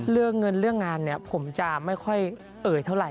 เรื่องเงินเรื่องงานเนี่ยผมจะไม่ค่อยเอ่ยเท่าไห